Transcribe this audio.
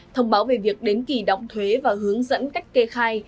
thông báo về việc đến kỳ đóng thuế và hướng dẫn cách kê khai